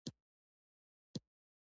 ایا زما فشار لوړ دی؟